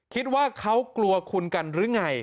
คิดว่าเขากลัวคุณกันหรือไง